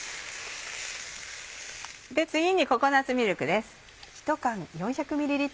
次にココナッツミルクです。